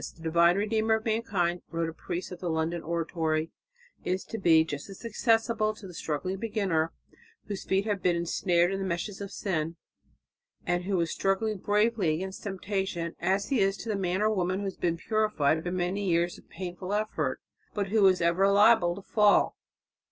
"The Divine Redeemer of mankind," wrote a priest of the London Oratory, "is to be just as accessible to the struggling beginner whose feet have been ensnared in the meshes of sin, and who is struggling bravely against temptation, as He is to the man or woman who has been purified by many years of painful effort, but who is ever liable to fall.